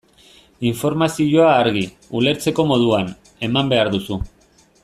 Informazioa argi, ulertzeko moduan, eman behar duzu.